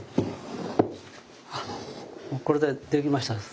これでできましたです。